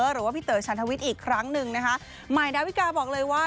หรือว่าพี่เต๋อชันทวิทย์อีกครั้งหนึ่งนะคะใหม่ดาวิกาบอกเลยว่า